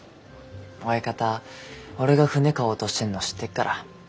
親方俺が船買おうとしてんの知ってっから。